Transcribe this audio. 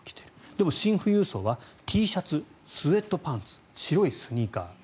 でもシン富裕層はＴシャツ、スウェットパンツ白いスニーカー。